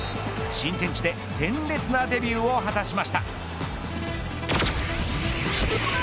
新天地で鮮烈なデビューを果たしました。